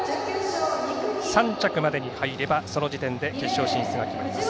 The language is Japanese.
３着までに入ればその時点で決勝進出が決まります。